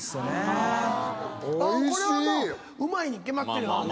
これはうまいに決まってるよね。